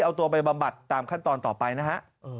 เอาตัวไปบำบัดตามขั้นตอนต่อไปนะฮะ